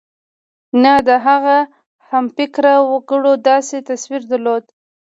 نه د هغه همفکره وګړو داسې تصور درلود.